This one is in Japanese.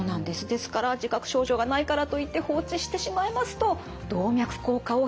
ですから自覚症状がないからといって放置してしまいますと動脈硬化を引き起こしてしまうんです。